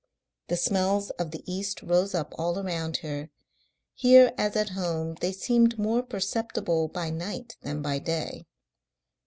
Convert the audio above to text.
The smells of the East rose up all around her; here, as at home, they seemed more perceptible by night than by day.